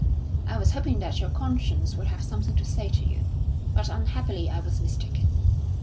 I was hoping that your conscience would have something to say to you, but unhappily I was mistaken.